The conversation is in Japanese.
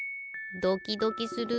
ドキドキする。